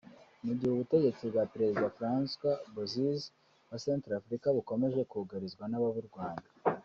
Mu gihe ubutegetsi bwa Perezida Francois Bozize wa Central Africa bukomeje kugarizwa n’ababurwanya